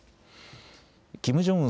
キム・ジョンウン